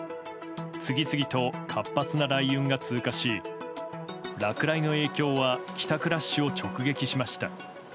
次々と活発な雷雲が通過し落雷の影響は帰宅ラッシュを直撃しました。